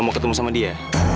mau ketemu sama dia